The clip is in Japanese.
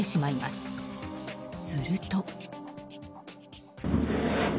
すると。